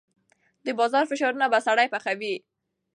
د بازار فشارونه به سړی پخوي.